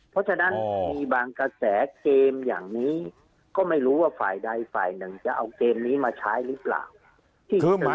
เพราะฉะนั้นมีบางกระแสเกมอย่างนี้ก็ไม่รู้ว่าฝ่ายใดฝ่ายหนึ่งจะเอาเกมนี้มาใช้หรือเปล่า